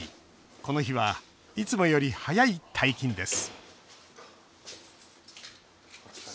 この日はいつもより早い退勤です